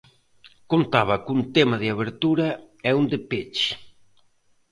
Contaba cun tema de abertura e un de peche.